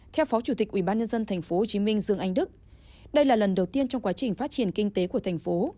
theo phó chủ tịch ubnd tp hcm dương anh đức đây là lần đầu tiên trong quá trình phát triển kinh tế của thành phố